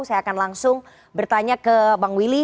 saya akan langsung bertanya ke bang willy